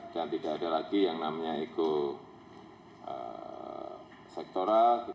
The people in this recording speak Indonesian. dan tidak ada lagi yang namanya ekosektoral